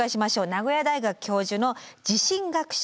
名古屋大学教授の地震学者